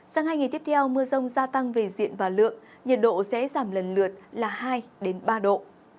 sáng hai ngày tiếp theo mưa rông gia tăng về diện và lượng nhiệt độ sẽ giảm lần lượt là hai ba độ